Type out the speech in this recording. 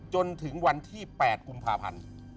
จนถึงวันที่๘กุมภาพันธ์